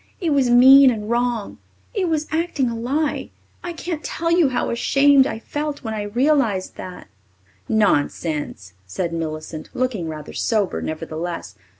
It was mean and wrong. It was acting a lie. I can't tell you how ashamed I felt when I realized that." "Nonsense," said Millicent, looking rather sober, nevertheless.